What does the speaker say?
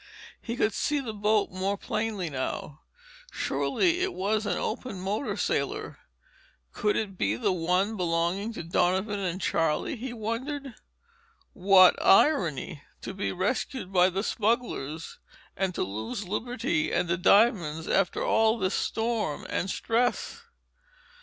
He could see the boat more plainly now. Surely it was an open motor sailor. Could it be the one belonging to Donovan and Charlie, he wondered. What irony!—to be rescued by the smugglers—and to lose liberty and the diamonds after all this storm and stress!